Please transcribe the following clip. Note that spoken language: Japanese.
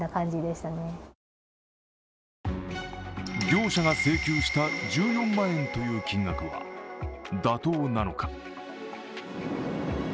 業者が請求した１４万円という金額は妥当なのか。